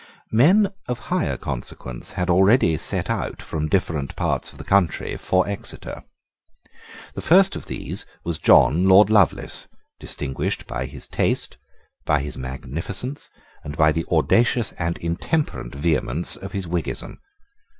Men of higher consequence had already set out from different parts of the country for Exeter. The first of these was John Lord Lovelace, distinguished by his taste, by his magnificence, and by the audacious and intemperate vehemence of his Whiggism.